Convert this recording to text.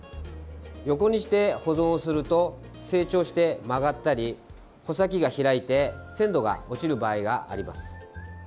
横にして保存すると成長して曲がったり穂先が開いて鮮度が落ちる場合があります。